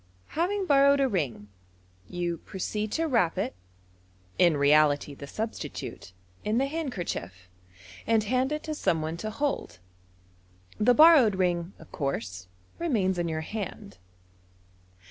Having borrowed a ring, you proceed to wrap it (in reality the substitute) in the handkerchief, and hand it to some one to hold. The borrowed ring, of course, remains in your hand.